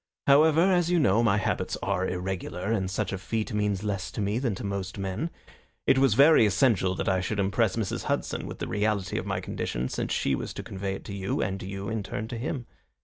"However, as you know, my habits are irregular, and such a feat means less to me than to most men. It was very essential that I should impress Mrs. Hudson with the reality of my condition, since she was to convey it to you, and you in turn to him.